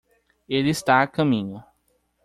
Ele está a caminho.